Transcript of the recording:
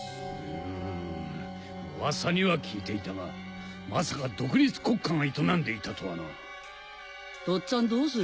噂には聞いていたがまさか独立国家が営んでいたとはな。とっつぁんどうする？